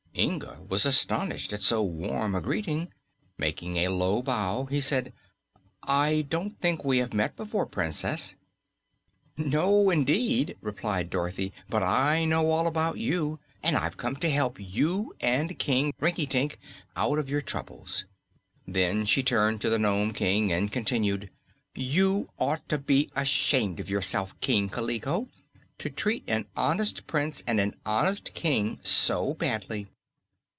Inga was astonished at so warm a greeting. Making a low bow he said: "I don't think we have met before, Princess." "No, indeed," replied Dorothy, "but I know all about you and I've come to help you and King Rinkitink out of your troubles." Then she turned to the Nome King and continued: "You ought to be ashamed of yourself, King Kaliko, to treat an honest Prince and an honest King so badly."